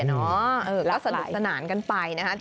ก็สนุกสนานกันไป